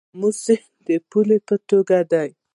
د امو سیند د پولې په توګه دی